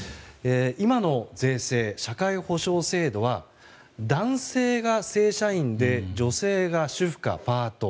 今の税制・社会保障制度は男性が正社員で女性が主婦かパート。